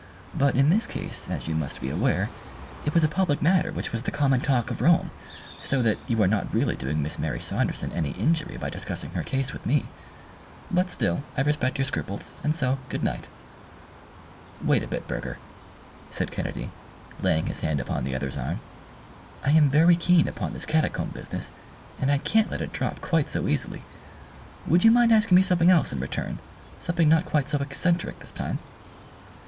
But in this case, as you must be aware, it was a public matter which was the common talk of Rome, so that you are not really doing Miss Mary Saunderson any injury by discussing her case with me. But still, I respect your scruples; and so good night!" "Wait a bit, Burger," said Kennedy, laying his hand upon the other's arm; "I am very keen upon this catacomb business, and I can't let it drop quite so easily. Would you mind asking me something else in return something not quite so eccentric this time?"